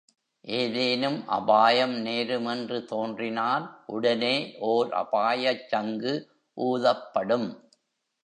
ஏதேனும் அபாயம் நேருமென்று தோன்றினால், உடனே ஓர் அபாயச் சங்கு ஊதப்படும்.